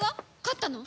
勝ったの？